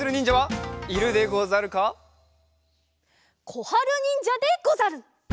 こはるにんじゃでござる！